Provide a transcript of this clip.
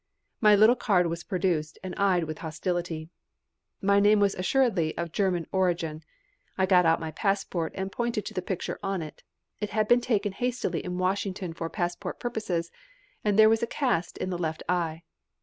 My little card was produced and eyed with hostility. My name was assuredly of German origin. I got out my passport and pointed to the picture on it. It had been taken hastily in Washington for passport purposes, and there was a cast in the left eye.